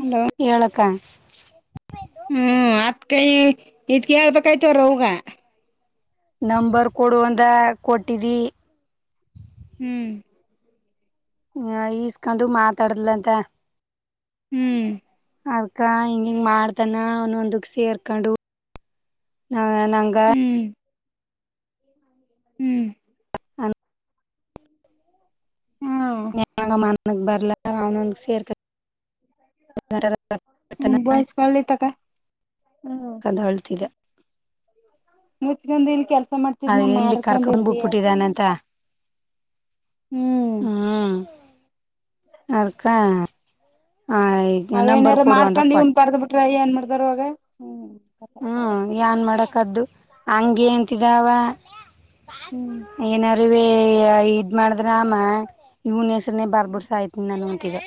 Hello ಏಳಕ್ಕ ಹ್ಮ್ ಅತ್ ಕೈ ಇದ್ಕ ಹೇಳ್ಬೇಕಾಯ್ತವ್ರ ಹಗ ನಂಬರ್ ಕೊಡು ಒಂದ ಕೊಟ್ಟಿದ್ದಿ. ಹ್ಮ್ ಹ ಈಸ್ಕೊಂಡು ಮಾತಾಡಲಂತ. ಹ್ಮ್ ಅದಕ ಹಿಂಗ ಹಿಂಗ ಮಾಡ್ತಾನ ಅವನ್ೊಂದಕ್ ಸೇರ್ಕೊಂಡು ನಂಗ ಹ್ಮ್ ಹ್ಮ್. [unintelligible] ಹ್ಮ ನ ಮನಗ್ ಬರ್ಲ ಅವ್ನೊಂದ ಸೇರ್ಕ ಹ್ಮ ಬಯಸ್ ಕಲಿತಕ ಅದ ಅಳ್ತಿದ್ದ ಮುಚ್ಚಕೊಂದ ಇಲ್ಲ ಕೆಲ್ಸ ಮಾಡ್ತಿದ್ ನಾ ಮಾಡಕಂದ ಇರ್ದಿ. ಇದಾನಂತ. ಹ್ಮ ಅದಕ್ಕ ಆ ಅವ್ ನಂಬರ್ ಏನಾರ ಕೊಡು ಅಂದ ಮಾಡ್ಕೊಂಡ ಇವ್ನ ಕೊಟ್ಟಿ ಬರಡ್ ಬಿಟ್ರ ಏನ್ ಮಾಡ್ದಾರ ಅವಾಗ ಹ್ಮ ಏನ್ ಮಾಡಕದ್ದು ಹಂಗೆಂತಿದಾವ ಹ್ಮ್ ಏನಾರಿವ ಇದ್ ಮಾಡಿದ್ರ ಆಮ ಇವನ್ ಇನೇ ಬರ್ಬುಡ್ಸ ಸಾಯ್ತನ ನಾನು ಅಂತಿದ್ದ.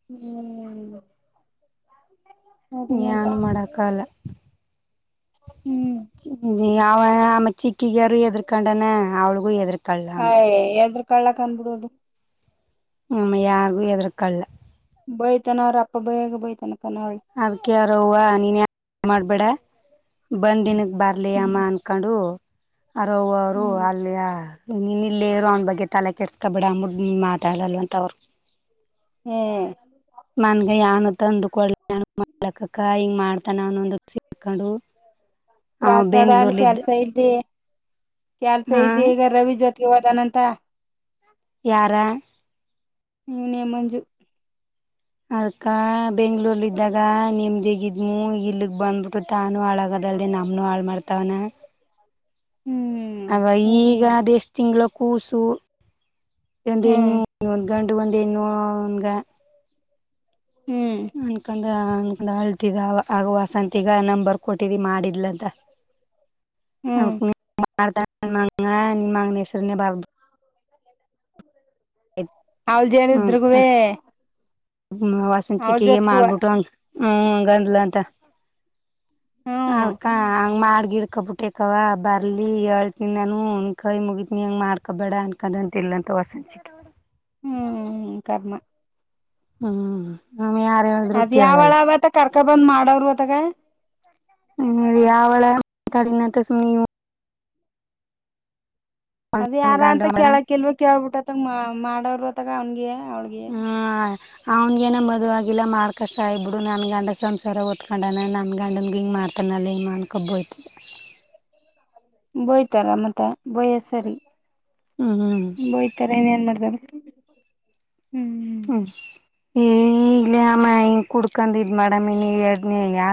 ಹ್ಮ ಯಾನು ಮಾಡಕ್ಕಲ್ಲ. ಹ್ಮ ಯಾವ ಆಮ್ಮ ಚಿಕ್ಕಗ ಯಾರ ಹೆದ್ರಕೊಂಡನ ಅವ್ಳಿಗೂ ಎದ್ರ ಹಯ ಎದರ ಕಳ್ಳಕ್ ಅಂದಬಿಡದು ಹ್ಮ ಯಾರಿಗು ಎದ್ರಕಲ್ಲ ಬೈತಾನ ಅವ್ರ ಅಪ್ಪ ಬೈಯಾಗ ಬೈತನಕ್ಕ ನಾವಿ ಅದ್ಕೆ ಅವ್ರ ಅವ ನೀನ್ ಮಾಡ್ಬೇಡ ಬಂದಿನ ಬರ್ಲಿ ಹ್ಮ್ ಅಮ್ಮ ಅನ್ಕೊಂಡು ಅರವ ಅವರು ಹ್ಮ್ ಅಲ್ಲಿಯ ನೀನ್ ಇಲ್ಲೇ ಇರು ಅವನ ಬಗ್ಗೆ ತಲೆ ಕೆಡಿಸ್ಕೊಬೇಡ ಅಂದ್ಬಿಟ್ಟ ಮಾತಾಡಲ್ ಅಂತ ಅವ್ರ ಹ್ಮ ನನ್ಗೆ ಯಾನು ತಂದುಕೊಳ್ ನ ಮಾಡ್ಲಕ್ಕಕ್ಕ ಹಿಂಗ ಮಾಡ್ತಾನ ಅನ್ನೊಂದ ಸರ್ಕೊಂಡು ಪ್ರಸಾದ ಅಲ್ ಕೆಲ್ಸ ಇಲ್ದ ಕೆಲ್ಸ ಹಾ ಇಲ್ದ ಈಗ ರವಿ ಜೋತೆಗೆ ಹೋದನಂತ. ಯಾರ ನೀವ ಮಂಜು ಅದ್ಕ ಬೆಂಗ್ಳೂರ್ಲ ಇದಾಗ ನಿಮ್ದಗಿದ ಮೂವೀಗ ಇಲ್ಲಿಗ ಬಂದ್ಬಿಟ್ಟ ತಾನು ಹಾಳಾಗೋದಲ್ದ ನಮನು ಹಾಳ ಮಾಡ್ತವನ. [inaudible] ಹ್ಮ್ ಅವ ಈಗ ಸರಿನಂತ ಅದ ಎಷ್ ತಿಂಗಳು ಕೂಸು. ಒಂದ ಹ್ಮ್ ಎಣೂ ಒಂದ್ ಗಂಡು ಒಂದ ಹೆಣ್ಣು ಹಂಗ ಹ್ಮ್ ಅನ್ಕಂದ ಅಳ್ತಿದ ಆಗ ವಸಂತಿಗ ನಂಬರ್ ಕೊಟ್ಟಿದ್ದಿ ಮಾಡಿದ್ಲ ಅಂತ. ಹ್ಮ್ [unintelligible] [inaudible] ಅವಳ ಹ್ಮ ಅಕ್ಕ ಜೇಡಿದ್ರಗುವೆ ಅವಳ [unintelligible] ಜೊತ್ಗುವ ಮಾಡ್ಬಿಟ್ಟುಂಗ ಹ್ಮ ಹಂಗ ಅಂದಲನಂತ ಹ್ಮ್ ಅದಕ ಹಂಗ ಮಾಡ ಗಿಡ್ಕಬಿಟ್ಟೆ. ಕವಾ ಬರ್ಲಿ ಹೇಳ್ತೀನಿ ನಾನು ಕೈ ಮುಗಿತನಿ ಹಂಗ ಮಾಡ್ಕೊಬೇಡ ಅನ್ಕದಂತಲ್ಲ ಅಂತ ವಸಚಿ. ಹ್ಮ್ [inaudible] ಕರ್ಮ ಹ್ಮ ಅದ್ ಯಾವಳವತ್ತ ಕರ್ಕ ಬಂದ್ ಮಾಡವರು ಅತ್ತಾಗ ಹ ಯಾವಳ ಮಾತಾಡಿನ ಸುಮ್ಮನ ಅದ ನನ್ ಯಾರ ಅಂತ ಗಂಡ ಕೇಳಕ ಇಲ್ವ ಕೇಳ್ಬಿಟ್ಟತ್ತಂಗ ಮಾಡೋರ್ ಅತ್ತಗ ಹಂಗೆಯ ಅವ್ಳಗ ಹ್ಮ ಅವ್ನ್ಗೇನ ಮದು ಆಗಲ್ಲ ಮಾಡ್ಕ ಸಾಯ್ಬಿಡು ನನ್ನ ಗಂಡ ಸಂಸಾರ ಓದ್ಕೊಂಡನ ನನ್ನ ಗಂಡನ್ ಹಿಂಗ್ ಮಾಡ್ತ ಕನಾಲ ಇಮಾನಕ ಕೊಬ್ಬು ಓಯುತ. ಬೋಯ್ತಾರ ಮತ್ತೆ ಬಯ ಸರಿ. ಹ್ಮ್ ಹ್ಮ್ ತರ ಇನ್ ಏನ್ ಮಾಡ್ದವ ಹ್ಮ್. ಏ ಇಲ ಅಮ್ಮ ಹಿಂಗ ಕುಡ್ಕೊಂಡ ಇದ್ ಮಾಡಡಾಮಿ ನೀ ಎರಡ್ನೇ ಯ.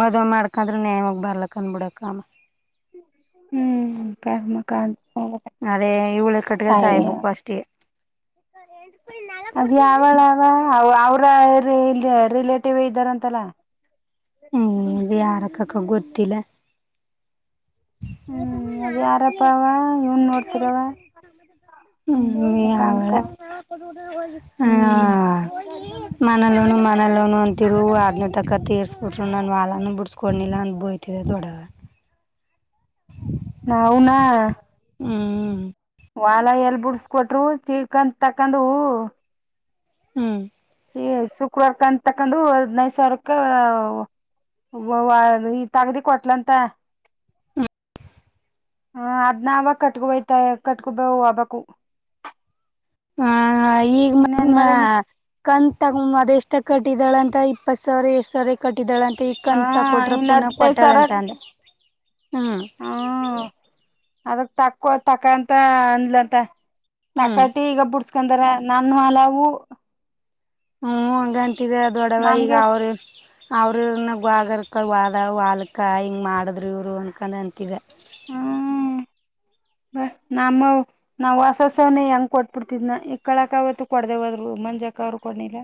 ಮದುವ್ ಮಾಡ್ಕಂದ್ರೆ ನನ್ಯಮಗ್ ಬರ್ಲಕ್ಕ ಏನ್ ಬಿಡಕ ಅವ. ಹ್ಮ್ ಕ ಮಕಾನ ಹೋಗಬೇಕಂತ ಅದೇ ಇ ಉಳ ಕಟ್ಟಗೆ ಸಾಯ್ಬೇಕುಕ್ಕು ಅಷ್ಟೇ. ಅದ್ ಯಾವಳ ಅವ ಅವ್ರ ರಿಲೇಟಿವ್ ಇದ್ದಾರ ಅಂತಲ್ಲಾ. ಹ್ಮ ಯಾರಕ್ಕಕ್ಕ ಗೊತ್ತಿಲ್ಲ. ಮ ತುಂಬ ಹ್ಮ್ ನಾ. ಅದ್ ಯಾರಪ್ಪ ಅವ ಇವನ್ ನೋಡ್ತಿರವ [inaudible] ಹ್ಮ್ ಕಾಣಕ ಹ್ಮ್ ಮನಲೋನು ಮನಲೋನು ಅಂತಿರು ಅನ ತಕ್ಕ ತೀರ್ಸ. ಸ್ಟಟ್ಟರು ನಾನು ವಾಲೂ ಬಿಡ್ಸ್ಕೊಂಡನಿಲ್ಲ ಅನ್ಭೋಯ್ತಿದೆ ದೊಡಗೆ. ನವುನಾ ಹ್ಮ್. ವಾಲ ಎಲ್ ಬಿಡ್ಸ್ಕೊಟ್ರು ತಿಳ್ಕೊಂಡ ತಕೊಂಡವು ಹ್ಮ್. ಸ ಶುಕ್ರವಾರಕ ಅಂತ ತಕಂದುು ಹೈದಿನೈದು ಸಾವಿರಕ್ಕೆ. ಈ ತಗದಿ ಕೊಟ್ಲಂತ. ಹ ಅದ್ ನಾವ ಕಟ್ಕಬಯ್ತ ಕಟ್ಕೊಬ ಹಬಬೇಕು ಇನ್ನೇನ್ ಮಾಡೀನಿ [inaudible] ಕಂತು ತಗ ಅದೆ ಎಷ್ಟ ಕಟ್ಟಿದಾಳ ಅಂತ ಇಪ್ಪತ್ ಸಾವಿರ ಎಏಷ್ಟ ಸಾವಿರ ಕಟ್ಟಿದ್ದಾಳಂತ ಈ ಹ ಕಂತ ತ ಕೊಟ್ರ ಇನ್ ಪುನಃ ಹದ್ನೈದ ಸಾವಿರ ಕೊಟ್ಟಾಳಂತ ಅಂದ ಹ್ಮ್. ಹ್ಮ [unintelligible] ಅದಕ್ ತಕೋ ತಕಂತ ಅಂದಲಂತ ಹ್ಮ್ ತಕಟಿ ಈಗ ಬಿಡ್ಸ್. ಯಕಂದ್ರ ನಾನು ಹಲವು. ಹ್ಮ್ ಹಂಗಂತಿದ ದೊಡವ ಈಗ ನಮ್ಗೆ ಅವ್ರ. ಅವ್ರನ ಆಾಗರ್ಕ ವಾದ ವಾಲ್ಕ ಹಿಂಗ ಮಾಡಿದ್ರು ಇವ್ರು ಅನ್ಕೊಂಡ ಅಂತಿದ್ದ. ಹೂಮ್. ನಮ್ಮವು ನಾವ್ ವಾಸಸವನೆ ಹೆಂಗ ಕೊಟ್ಬಿಡ್ತಿದ್ನ ಈ ಕಳಕ ಅವತ್ತು ಕೊಡ್ದವದ್ರು ಮಂಜಕ ಅವರು ಕೊಡ್ನಿಲ್ಲ.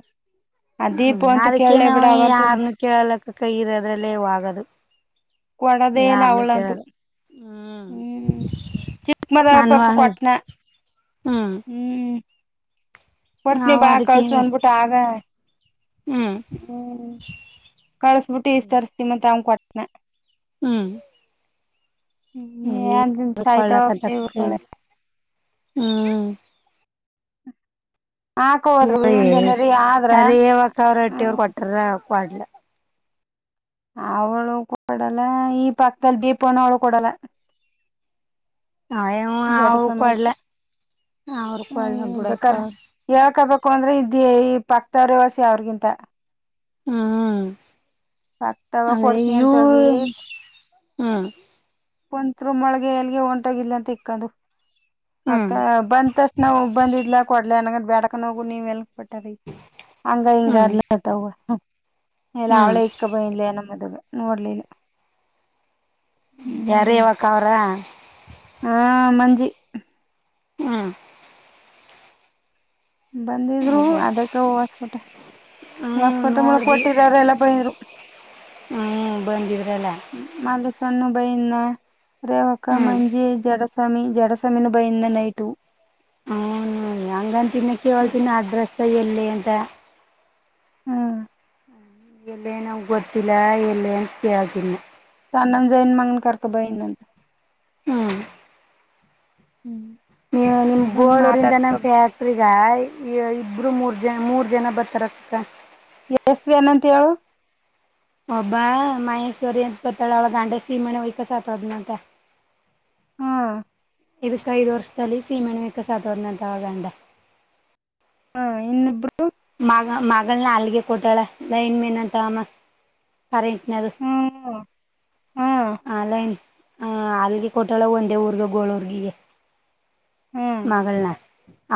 ಆ ಹ್ಮ್ ದೀಪು ಅಂತ ಅದಕ್ಕೆ ಕೇಳಲೇ ನಾವು ಬಿಡ ಆಂತು. ಯಾರನು ಕೇಳಲಕ್ಕ ಕೈ ಇರೋದ್ರಲ್ಲೇ ಆಗದು ಕೊಡದೇಲ್ಲ ಅವಳಂತು. ಹ್ಮ್ ಚಿ ಮದ ಪಪ್ಪು ಕೊಟ್ನ. ಹಾ. ಹ್ಮ್ ಕೊಡ್ತನಿ ನಾವು ಬಾ ಅದಕ್ಕೆ ಕಳ್ಸ ಅನ್ಬಿಟ್ಟ ಆಗ. ಹ್ಮ್ ಹ್ಮ್ ಕಳಸ್ಬಿಟ್ಟು ಈಷ್ಟ ತರ್ಸ್ತಿ ಮತ್ ಅವ ಕೊಟ್ಟನ. ಹ್ಮ್. ಹ್ಮ್ ಏನ್ ಹಪಲ ಸಾಯ್ತಾವ ಇವ್ರಗಳ ಹ್ಮ್ ಹಾಕ ಹೋದ್ರು ಇವಂದ ಏನಾರ ಆದ್ರ ಅ್ರ ಯಾವ ಅವ್ರ ಹೊಟ್ಟಿವ್ರ ಹ್ಮ್ ಕೊಟ್ಟಾರ. ಅವಳು ಕೊಡಲ್ಲ ಈ ಪಕ್ಕದಲ್ಲಿ ದೀಪವನ್ನು ಅವಳು ಕೊಡಲ್ಲ. ಹವ ಜಡ ಅವ್ರ ಸ್ವಾಮಿ ಕೊಡ್ಲ ಇರ್ತ ಅವ್ರ ಕೊಡ್ಲ ಬಿಡಕ. ಹೇಳ್ಕ್ಬೇಕು ಅಂದ್ರೆ ಇದ ಈ ಪಕ್ತ ರೇವಾಸಿ ಅವ್ರಿಗಿಂತ. ಹ್ಮ್ ಪಕ್ತವ ಅದೇ ಕೊಡ್ತನಿ ಅಂತ ಇವೂ ಹೋಗಿ ಹ್ಮ್ ಒಂತ್ರು ಮೊಳಗೆ ಎಲ್ಲಿಗೆ ಒಂಟ್ಟೋಗಿದ್ಲಂತೆ ಇಕ್ಕೊಂದು ಅಕ್ಕ ಹ್ಮ್ ಬಂತಷ್ಟ ನಾವು ಬಂದಿದ್ಲ ಕೊಡ್ಲ ಅನಂಗ ಬ್ಯಾಡಕನ್ ಹೋಗು ನೀವೆಲ್ಲಿಗ್ ಕೊಟ್ಟ ರಿ ಹಂಗ ಇಂಗ ಹ್ಮ್ ಅಂದ್ಲಂತ ಅವ್ವ ಎಲ್ಲಾ ಹ್ಮ್ ಅವಳೇ ಇಕ್ಕ್ ಒಯ್ಲೆನ ಮದವೆ ನೋಡ್ಲಿಲ್ಲ ಹ್ಮ್ ಯಾರಿಯವಕಾವರ್ ಹಾ ಮಂಜಿ ಹ್ಮ್ ಬಂದಿದ್ರು ಅದೇ ಅದಕ್ಕ ಹೊಸ್ಕೊಟ ಹ್ಮ್ ಹೊಸ್ಕೊಟ ಮೂಳ ನೋಡ್ದಿ ಕೊಟ್ಟಿರ್ರ ಎಲ್ಲ ಬಂದಿದ್ರು ಹ್ಮ್ ಬಂದಿದ್ರಲ್ಲ ಮಾಲೆ ಸಣ್ಣ ಬಯಣ್ಣ ರೇವಕ್ಕ ಹ್ಮ್ ಮಂಜಿ ಜಡಸ್ತ್ ಸಮಿ ಜಡ ಸಾಮೀನು ಬಂದಿದ್ನ ಬಯಿಂದ ನೈಟ ಹೆಂಗಂತಿನ ಬಿಟ್ಟ ಕೇಳ್ತನ ಅಡ್ರೆಸ್ಸ್ದ್ಎಲ್ಲಿ ಅಂತ ಹ ಹಾ ಹ ಎಲ್ಲೆನವ ಗೊತ್ತಿಲ್ಲ ಎಲ್ಲೆನ್ ಕೇಳ್ತಿನ್ನ ಆನಂದ್ ಜೈನ ಮಗನ್ ಕರ್ಕೊಂಡ ಬಂದಿದ್ನಂತ ಹ್ಮ್ ನೀವ ನಿಮ್ ಬಂದ್ ಗೋಳೂರಿಂದ ಮಾತಾಡ್ಸ್ಕೊ ಪ್ಯಾಕ್ ಇಬ್ಬರಿಗಾಯಿ ಇಬ್ರು ಮೂರ ಜನ ಮೂರು ಜನ ಬರ್ತರತ್ತ್ ಅಕ್ಕ ಎಷ್ಟ್ರೀ ಅನಂತ ಹೇಳು ಒಬ್ಬ ಮಹೇಶ್ವರಿ ಅಂತ ಬರ್ತಳ ಅವಳ ಗಂಡ ಸೀಮೆ ಎಣ್ಣೆ ಹುಯ್ಕೊಂಡ ಸತ್ತೋದ್ನಂತ ಹಾ ಇದಕ್ಕ ಐದ ವರ್ಷದ ತಲಿಸಿ ಮನ್ಯಾಗ್ ಕಸ ತೊದ್ನಂತ ಅವಗಂಡ ಹಾ ಇನ್ನಬ್ರು ಮಗ ಮಾಗಳ್ನ ಅಲ್ಗೆ ಕೊಟಾಳ ಲೈನೆಮೆನ ಅಂತಮ್ಮ ಕರೆಟನದು ಹ್ಮ್ ಹಾ ಆನ್ಲೈನ್ ಹ ಆಲ್ರೆಡಿ ಕೊಟ್ಟಾಳ ಒಂದ ಊರ್ಗ ಗೋಳೂರ್ಗಿಗೆ ಹ್ಮ್ ಮಗಳ್ನ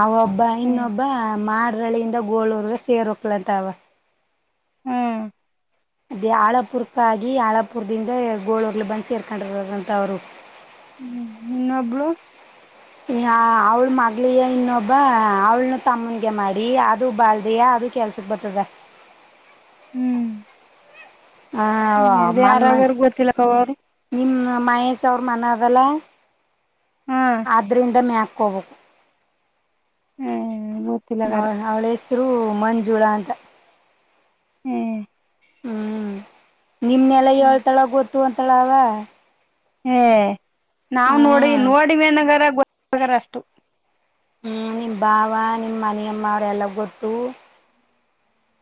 ಆವೊಬ್ಬ ಹ್ಮ್ ಇನ್ನೊಬ್ಬ ಮಾಡ್ರಳ್ಳಿಯಿಂದ ಗೋಳರ್ಗೆ ಸೇರು ಹೋಕ್ಲಂತ ಅವ ಹ್ಮ್ ಅದೇ ಆಳಪುರಕ್ಕಾಗಿ ಆಳಾಪುರದಿಂದ ಗೋಳರ್ಲಿ ಬಂದ ಸೆರ್ಕೊಂಡರದಂತ ಅವ್ರು ಹ್ಮ್ ಇನ್ನೊಬ್ಳು ಯಾ ಅವ್ಳ ಮಗಳಿಗೆ ಇನ್ನೊಬ್ಬ ಅವ್ಳನು ತಮ್ಮನ್ಗೆ ಮಾಡಿ ಅದು ಬಾಳದೆಯ ಅದು ಕೆಲ್ಸ ತುಬತ್ತದ ಹ್ಮ್ ಹಾ ವ ಅದ ಮನ್ಮ ಯಾರಾಗಾರ ಗೊತ್ತಿಲ್ಲಕ್ಕ ಅವರು ನಿಮ್ ಮಹೇಶ್ ಅವ್ರ ಮನದಲ್ಲ ಹಾ ಆದ್ರಿಂದ ಮೇಕೋಬೇಕು ಹ್ಮ್ ಗೊತ್ತಿಲ್ಲಗಾರ ಅವಳ ಅವಳ ಹೆಸ್ರು ಮಂಜುಳ ಅಂತ. ಹ್ಞ ಹ್ಮ್ ನಿಮನೆಲ್ಲ ಹ್ಮ್ ಏಳ್ತಾಳ ಗೊತ್ತು ಅಂತಳ ಅವ ಹೇ ನಾವ ನೋಡಿ ಹ್ಮ್ ನೋಡಿ ಮೇನಗರ ಗೊತ್ತಗಾರ ಅಷ್ಟು ಹ್ಮ್ ನಿಮ್ಮ ಭಾವ ನಿಮ್ಮ ಮನಿ ಅಮ್ಮವ್ರ ಎಲ್ಲಾ ಗೊತ್ತು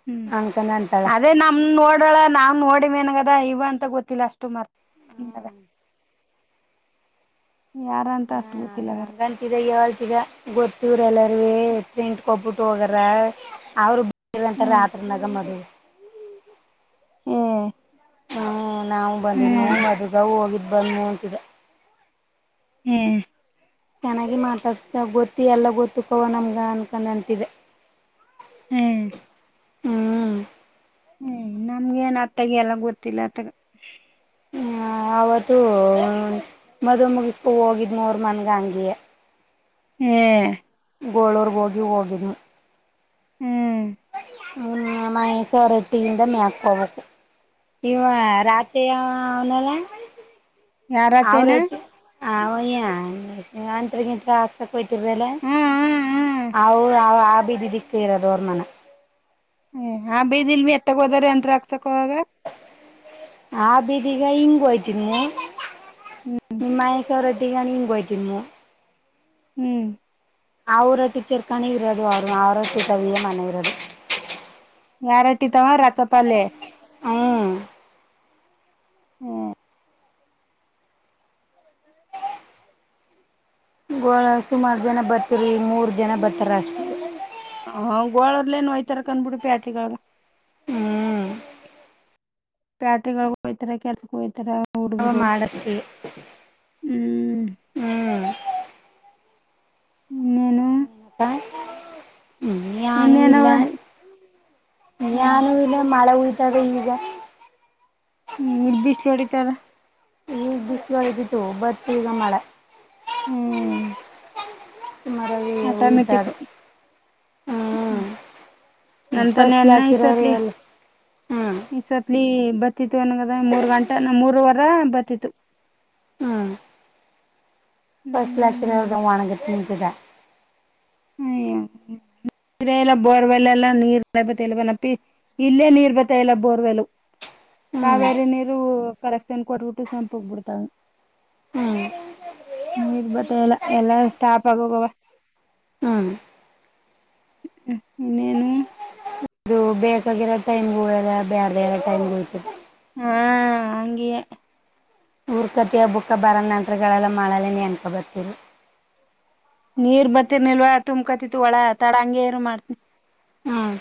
ಹ್ಮ್ ಅನ್ಕನ ಅಂತಾಳ ಅದೇ ನಮ ನೋಡ್ ನೋಡಳ ನಾವ್ ನೋಡಿಮೇನ್ಗದ ಇವ ಅಂತ ಗೊತ್ತಿಲ್ಲ ಅಷ್ಟ ಮಾರ್ತಾಂಗದ ಯಾರ ಅಂತ ಅಷ್ಟು ಗೊತ್ತಿಲ್ಲ ಅಂಗಾರ ಇದಾಗ ಹಳ್ತ ಗೊತ್ತವ್ರ ಎಲ್ಲಾರ ಪ್ರಿಂಟ್ ಕೊಬ್ಬಿಟ್ಟ ಹೋಗರ ಅವ್ರ ಇವೆಂತ ಹ್ಮ್ ರತ್ರಿನಾಗ ಮದುವ ಹೆ ಹ್ಮ ನಾವು ಬಂದ ಮದಗ ಹೋಗಿದ ಬಂದ ಅಂತಿದೆ ಹ್ಮ್ ಚೆನ್ನಾಗಿ ಮಾತಾಡ್ಸ್ತ ಗೊತ್ತಿ ಎಲ್ಲ ಗೊತ್ತುಕೋವ ನಮ್ಗ ಅನ್ಕೊಂಡ ಅಂತಿದೆ. ಹೆ ಹ್ಮ್ ಹ್ಮ್ ನನಗೇನ ಏನ್ ಅತ್ತಗ ಎಲ್ಲ ಗೊತ್ತಿಲ್ಲ ಅತ್ತಗ ಅವತ್ತು ಮದು ಮುಗಿಸಕು ಹೋಗಿದ್ ಅವರ ಮನ್ಗ ಹಂಗೆ ಹೆ ಗೋಳರ್ಗೆ ಹೋಗಿ ಹೋಗಿದ್ನಿ ಹ್ಮ್ ನಾ ಹೆಸರಟ್ಟಿಂದ ಮ್ಯಾಕ್ ಹೋಗ್ಬೇಕು ಇವ ರಾಚಯ್ಯ ಅವನಲ್ಲ ಯಾರಚೇನ ಅವ್ರಟ್ಟ [unintelligible] ಹ್ಮ್ ಹ್ಮ್ ಅಮೊ ಆವ ಆ ಬೀದಿ ದಿಕ್ಕ ಇರೋದು ಅವ್ರ ಮನ ಹ್ ಆ ಬೀದಿಲ್ ಎತ್ತಗ ಹೋದ್ರ ಎಂತ್ರ ಆಗ್ಸಕ್ಕ ಹೋಗ ಆ ಬೀದಿಗ ಹಿಂಗ ಹೊಯ್ತಿ ನೀ ನಾ ಹೆಸರಟ್ಟಿ ಹಂಗೋಯ್ತೀನಿ ಹ್ಮ್ ಅವರ ಟೀಚರ್ ಕನರುದು ಅವರು ಅವರ ಟೀಟಾವಿಯ ಅಣಗದು ಯಾರಟ್ಟ ತಾವ ರಥಪಲ್ಲೆ ಹ್ಮ್ ಹ್ಮ್ [unintelligible] ಬರ್ತರಿ ಮೂರ್ ಜನ ಬರ್ತಾರ ಅಷ್ಟೇ [unintelligible] ಹ್ಮ್ ಪ್ಯಾಟ್ರಿಗಳಗ ಹಯ್ತರ ಕೆಲ್ಸಗ ಹೋಯ್ತಾರ ಅವ ಹುಡ್ಗರು ಮಾಡಷ್ಟೇ ಹ್ಮ್ ಹ್ಮ್ ನೇನು ನೀ ಯಾನೂ ಇಲ್ಲ ಇನ್ನೇನವದಿ ಹ್ಮ್ ನಾನು ಇಲ್ಲ ಮಳೆ ಉಯತದೆ ಈಗ ಹ್ಮ ನಿರ್ ಬಿಸ್ಲ ಹೊಡಿತಾ ಇದೆ ಈ ಬಿಸಿ್ ಒಳ್ದಿತ್ತು ಬತ್ತ ಈಗ ಮಳೆ ಹ್ಮ್ ಮರಗಳು ಹೀಟಾದ ನಮ್ಮ ತಾನ ಫಸ್ಲ್ ಎನ್ನ ಹಾಕಿರೋರು ಇಸತ್ಲಿ ಎಲ್ ಹ್ಮ್ ಈ ಸತ್ಲಿ ಬತಿತ್ತು ಅನ್ಗದ ಮೂರ್ ಗಂಟೆ ಮೂರ್ವರ ಬರತಿತ್ತು. [inaudible] ಹ್ಮ್ [unintelligible] ಹ ನೀ ಎಲ್ಲ ಬೋರ್ವೆಲ್ಲ ಎಲ್ಲ [unintelligible] ಇಲ್ಲೇ ನೀರ್ ಬತ್ತ ಎಲ್ಲ ಬೋರ್ವೆಲು ಹ್ಮ್ ಕಾವೇರಿ ನೀರು ಕಲೆಕ್ಷನ್ ಕೊಟ್ಬಿಟ್ಟು ಸಂಪು ಹೋಗ್ಬಿಡ್ತಾವ ಹ್ಮ್ ನೀರ್ ಬತ್ತ ಎಲ್ಲ ಎಲ್ಲಾ ಸ್ಟಾಪ್ ಆಗೋಗವ ಹ್ಮ್ ಇನ್ನೇನು ಇದು ಬೇಕಾಗಿರೋ ಟೈಮ್ಗುಲ್ಲ ಬೇಡದಾ ಎರೋ ಟೈಮ್ಗ ಹೋಗ್ತ ಹಾ ಹಂಗ್ಯೆ ಊರ್ ಕತಿಯ ಬುಕ್ಕ ಬರ ನಂಗಳೆಲ್ಲ ಮಾಡ [unintelligible] ಬರ್ತಿರಿ ನೀರ್ ಬತ್ತೀರ್ನಿಲ್ವಾ ತುಂಬಕತಿತ್ತು ಒಳ ತಡ ಹಂಗೆ ಇರು ಮಾಡ್ತನಿ. [inaudible] ಹ್ಞೂ